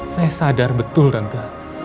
saya sadar betul tante